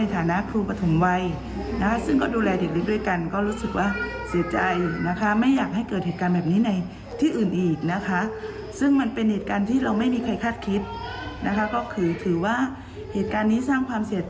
ตรงนี้อยากให้เกิดเหตุการณ์ตรงนี้เกิดขึ้นอีก